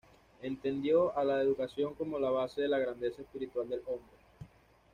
Entendió a la educación como la base de la grandeza espiritual del hombre.